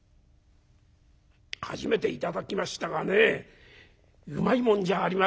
初めて頂きましたがねうまいもんじゃありませんか」。